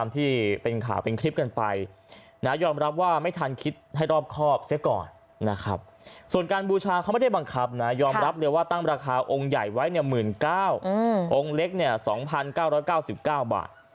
ตั้งราคาองค์ใหญ่ไว้๑๙๐๐๐บาทองค์เล็ก๒๙๙๙บาท